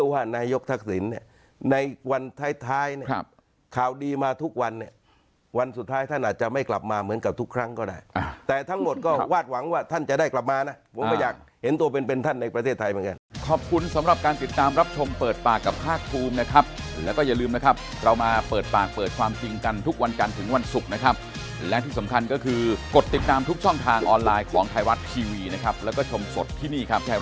วันสุดท้ายท่านอาจจะไม่กลับมาเหมือนกับทุกครั้งก็ได้แต่ทั้งหมดก็วาดหวังว่าท่านจะได้กลับมานะผมก็อยากเห็นตัวเป็นท่านในประเทศไทยเหมือนกัน